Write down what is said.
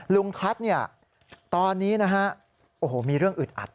ลุงทัศน์เนี่ยตอนนี้นะฮะโอ้โหมีเรื่องอึดอัด